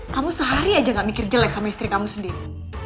kamu sehari aja gak mikir jelek sama istri kamu sendiri